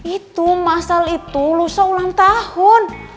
itu masal itu lusa ulang tahun